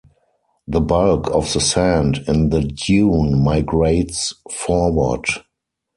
The bulk of the sand in the dune migrates forward.